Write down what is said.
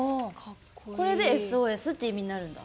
これでＳＯＳって意味になるんだ。